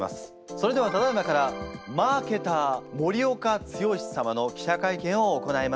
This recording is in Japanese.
それではただいまからマーケター森岡毅様の記者会見を行います。